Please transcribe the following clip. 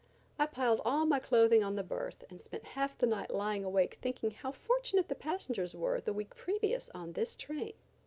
I piled all my clothing on the berth and spent half the night lying awake thinking how fortunate the passengers were the week previous on this train.